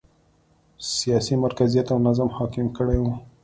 سیاسي مرکزیت او نظم حاکم کړی و.